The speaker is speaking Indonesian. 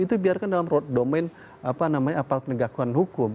itu dibiarkan dalam domain apa namanya apa penegakan hukum